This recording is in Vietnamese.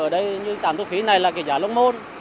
và ở đây như tạm thu phí này là cái trả lộng môn